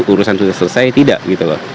urusan sudah selesai tidak gitu loh